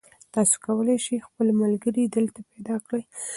تاسي کولای شئ خپل ملګري دلته پیدا کړئ.